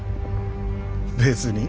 別に。